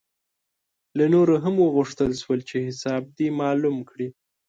له نورو هم وغوښتل شول چې حساب دې معلوم کړي.